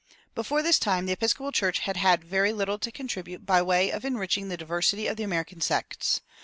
Before this time the Episcopal Church had had very little to contribute by way of enriching the diversity of the American sects.